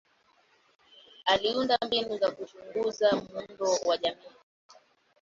Aliunda mbinu za kuchunguza muundo wa jamii.